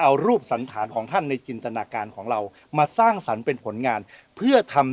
เอารูปสันฐานของท่านในจินตนาการของเรามาสร้างสรรค์เป็นผลงานเพื่อทำ